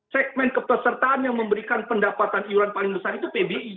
segmen kepesertaan yang memberikan pendapatan iuran paling besar itu pbi